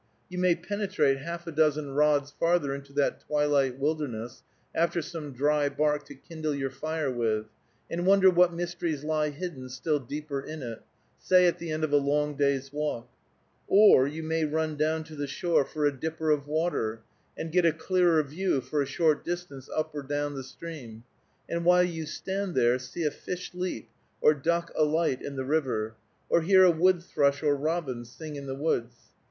You may penetrate half a dozen rods farther into that twilight wilderness, after some dry bark to kindle your fire with, and wonder what mysteries lie hidden still deeper in it, say at the end of a long day's walk; or you may run down to the shore for a dipper of water, and get a clearer view for a short distance up or down the stream, and while you stand there, see a fish leap, or duck alight in the river, or hear a wood thrush or robin sing in the woods.